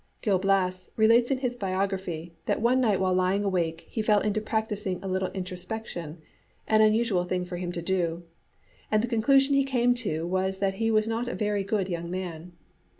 Gil Blas relates in his biography that one night while lying awake he fell into practising a little introspection, an unusual thing for him to do, and the conclusion he came to was that he was not a very good young man.